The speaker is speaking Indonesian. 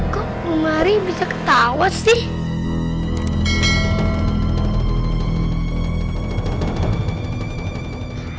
kok lemari bisa ketawa sih